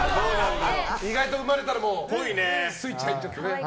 生まれたらスイッチ入っちゃってね。